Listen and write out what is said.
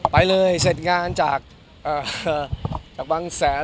ไปเลยเสร็จงานจากบางแสน